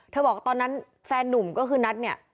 เธอบอกตอนนั้นแฟนหนุ่มก็คือนัท